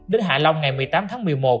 đến hạ long ngày một mươi tám tháng một mươi một